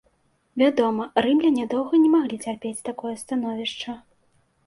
Вядома, рымляне доўга не маглі цярпець такое становішча.